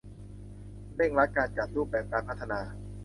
เร่งรัดการจัดรูปแบบการพัฒนา